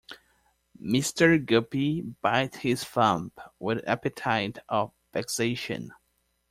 Mr. Guppy bites his thumb with the appetite of vexation.